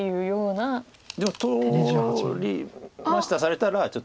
でも「取りました」されたらちょっと。